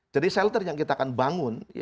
jadi shelter yang kita akan bangun